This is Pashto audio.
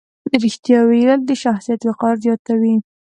رښتیا ویل د شخصیت وقار زیاتوي.